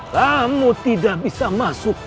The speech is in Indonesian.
kamu tidak bisa masuk